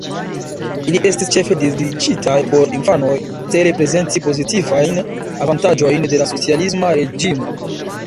Ili estis ĉefe dediĉitaj por infanoj cele prezenti pozitivajn avantaĝojn de la socialisma reĝimo.